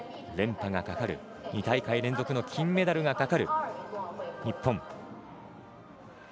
連覇がかかる、２大会連続の金メダルがかかる日本。